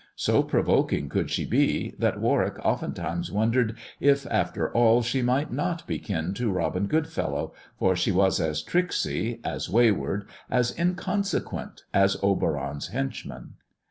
So provoking could she be, that Warwick oftentimes wondered if after all she might not be kin to Robin Goodfellow, for she was as tricksy, as wayward, as inconsequent as Oberon's henchman.